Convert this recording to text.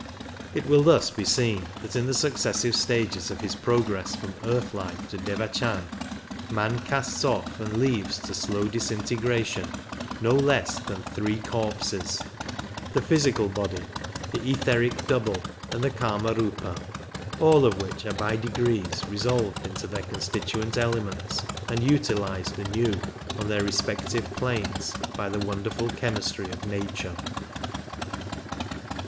It will thus be seen that in the successive stages of his progress from earth life to Devachan, man casts off and leaves to slow disintegration no less than 38 three corpses — the physical body, the etheric double and the Kamariipa — all of which are by degrees resolved into their constituent elements and utilized anew on their respective planes by the wonderful chemistry of nature.